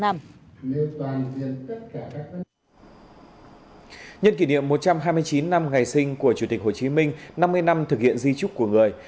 nhân kỷ niệm một trăm hai mươi chín năm ngày sinh của chủ tịch hồ chí minh năm mươi năm thực hiện di trúc của người